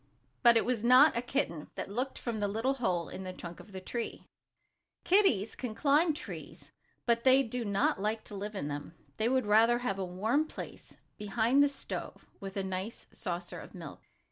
But it was not a kitten that looked from the little hole in the trunk of the tree. Kitties can climb trees, but they do not like to live in them. They would rather have a warm place behind the stove, with a nice saucer of milk.